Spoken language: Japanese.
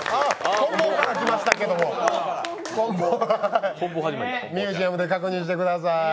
こん棒から来ましたけども、ミュージアムで確認してください。